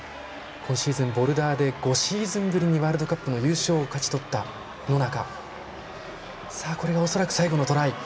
今シーズン、ボルダーで５シーズンぶりにワールドカップの優勝を勝ち取った野中。